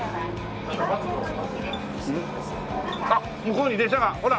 あっ向こうに電車がほら。